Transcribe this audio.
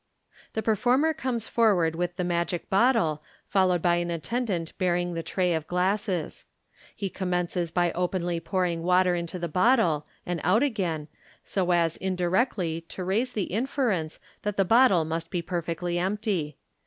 The performer comes forward with the magic bottle, followed by an attendant bearing the tray of glasses. He commences by openly pouring water into the bottle, and out again, so as indirectly to raise the inference that the bottle must be perfectly empty.